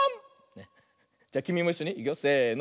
じゃきみもいっしょにいくよせの。